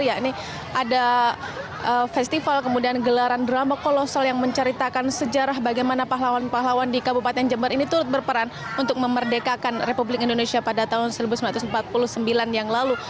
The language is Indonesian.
yakni ada festival kemudian gelaran drama kolosal yang menceritakan sejarah bagaimana pahlawan pahlawan di kabupaten jember ini turut berperan untuk memerdekakan republik indonesia pada tahun seribu sembilan ratus empat puluh sembilan yang lalu